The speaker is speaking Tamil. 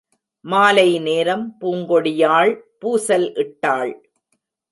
மாலைநேரம், பூங்கொடியாள் பூசல் இட்டாள்.